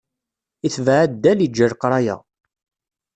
Itbeε addal, iǧǧa leqraya.